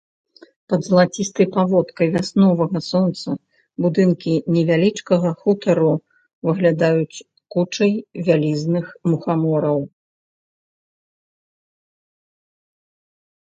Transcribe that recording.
Пад залацістай паводкай вясновага сонца будынкі невялічкага хутару выглядаюць кучай вялізных мухамораў.